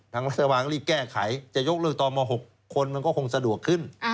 ทางรัฐบาลก็รีบแก้ไขจะยกเลิกต่อม๖คนมันก็คงสะดวกขึ้น